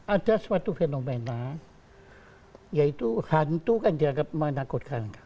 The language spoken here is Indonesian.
ada suatu fenomena yaitu hantu kan dianggap menakutkan